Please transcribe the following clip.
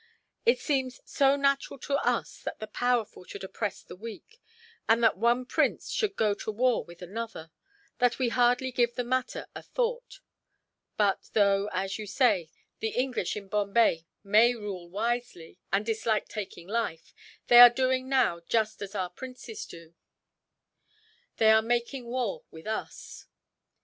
It seems so natural to us that the powerful should oppress the weak, and that one prince should go to war with another, that we hardly give the matter a thought; but though, as you say, the English in Bombay may rule wisely, and dislike taking life, they are doing now just as our princes do they are making war with us."